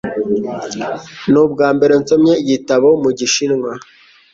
Ni ubwambere nsomye igitabo mu Gishinwa.